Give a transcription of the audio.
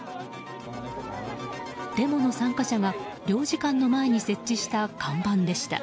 デモの参加者が領事館の前に設置した看板でした。